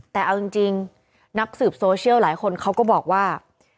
แต่เอาจริงนักสืบโซเชียลหลายคนเขาก็บอกว่า